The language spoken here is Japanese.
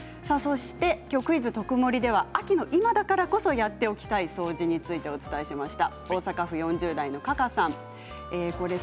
「クイズとくもり」では秋の今だからこそやっておきたい掃除についてお伝えしました。